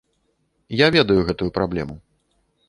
Я ведаю гэтую праблему.